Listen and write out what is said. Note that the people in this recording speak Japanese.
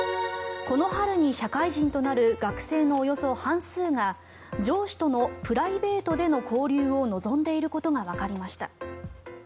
この春に社会人となる学生のおよそ半数が上司とのプライベートでの交流を望んでいることがわかりました。